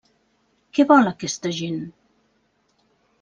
Què vol aquesta gent?